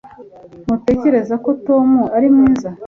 Ntutekereza ko Tom ari mwiza